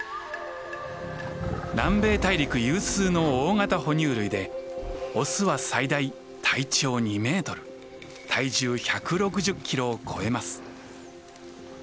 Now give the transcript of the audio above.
南米大陸有数の大型哺乳類でオスは最大体長２メートル体重１６０キロを超えます。